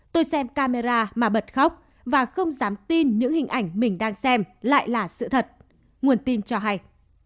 tôi xem camera mà bật khóc và không dám tin những hình ảnh mình đang xem lại là sự thật nguồn tin cho hay